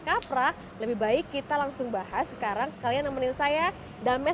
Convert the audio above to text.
kaprah lebih baik kita langsung bahas sekarang sekalian nemenin saya dames